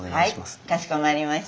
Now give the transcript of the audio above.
はいかしこまりました。